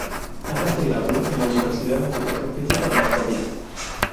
Anna se graduó de la Universidad de Educación Física en Varsovia.